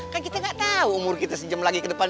kan kita gak tahu umur kita sejam lagi ke depan